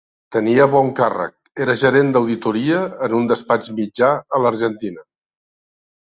Tenia bon càrrec, era gerent d’auditoria en un despatx mitjà a l’Argentina.